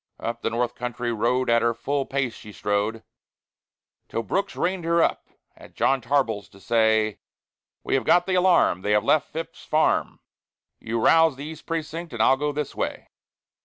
Up the North Country road at her full pace she strode, Till Brooks reined her up at John Tarbell's to say, "We have got the alarm, they have left Phips's farm; You rouse the East Precinct, and I'll go this way."